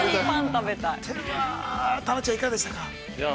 ◆タナちゃん、いかがでしたか。